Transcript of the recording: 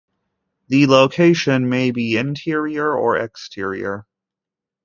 The location may be interior or exterior.